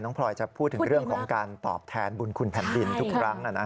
พลอยจะพูดถึงเรื่องของการตอบแทนบุญคุณแผ่นดินทุกครั้ง